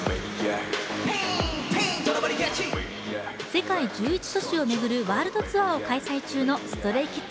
世界１１都市を巡るワールドツアーを開催中のＳｔｒａｙＫｉｄｓ。